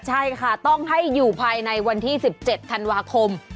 ใช่ค่ะต้องให้อยู่ภายในวันที่๑๗ธันวาคม